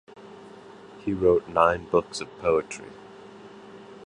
He wrote nine books of poetry.